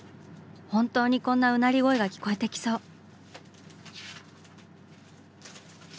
本当にこんなうなり声が聞こえてきそう！